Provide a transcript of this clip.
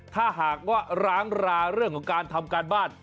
ถ้าหากว่าร้างราเรื่องของการทำการบ้าน